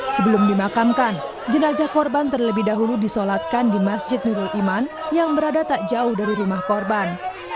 sebelum dimakamkan jenazah korban terlebih dahulu disolatkan di masjid nurul iman yang berada tak jauh dari rumah korban